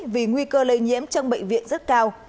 vì nguy cơ lây nhiễm trong bệnh viện rất cao